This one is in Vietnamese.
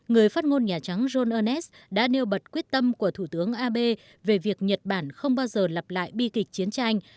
người phát ngôn nhà trắng johns đã nêu bật quyết tâm của thủ tướng abe về việc nhật bản không bao giờ lặp lại bi kịch chiến tranh